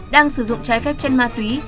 đang sử dụng trái phép chân ma túy